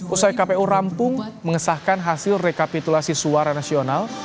usai kpu rampung mengesahkan hasil rekapitulasi suara nasional